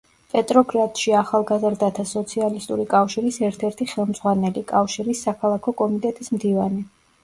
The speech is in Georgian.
პეტროგრადში ახალგაზრდათა სოციალისტური კავშირის ერთ-ერთი ხელმძღვანელი; კავშირის საქალაქო კომიტეტის მდივანი.